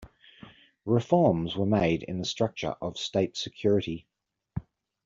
Reforms were made in the structure of state security.